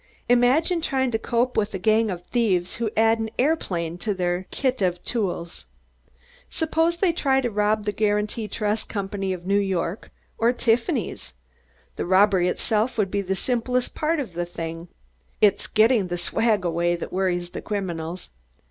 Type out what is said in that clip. Imagine trying to cope with a gang of thieves who add an aeroplane to their kit of tools. Suppose they decide to rob the Guarantee Trust Company of New York or Tiffany's. The robbery itself would be the simplest part of the thing. It is getting the swag away that worries the criminals.